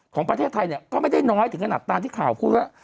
ของประเทศไทยเนี่ยก็ไม่ได้น้อยถึงขนาดตามที่ข่าวพูดว่า